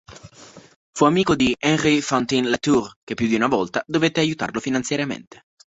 Fu amico di Henri Fantin-Latour che più di una volta dovette aiutarlo finanziariamente.